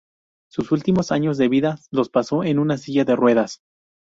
Sus últimos años de vida los pasó en una silla de ruedas.